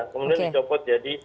kemudian dicopot jadi